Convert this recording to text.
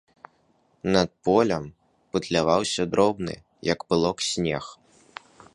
Над полем пытляваўся дробны, як пылок, снег.